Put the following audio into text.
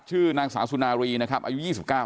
ชื่อนางสาวสุนารีนะครับอายุ๒๙ปี